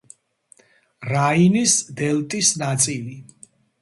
რაინის დელტის ნაწილი.